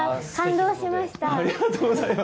ありがとうございます。